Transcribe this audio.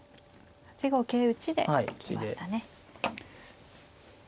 ８五桂打ちで行きましたね。